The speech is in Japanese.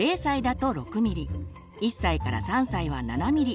１歳３歳は７ｍｍ。